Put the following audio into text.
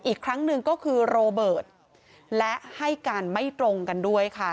อีกครั้งหนึ่งก็คือโรเบิร์ตและให้การไม่ตรงกันด้วยค่ะ